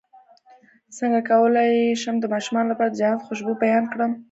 څنګه کولی شم د ماشومانو لپاره د جنت خوشبو بیان کړم